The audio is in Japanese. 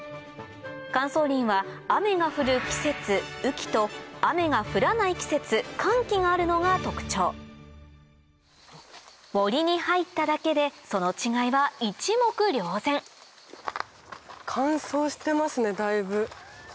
乾燥林は雨が降る季節雨期と雨が降らない季節乾期があるのが特徴森に入っただけでその違いは一目瞭然だいぶ。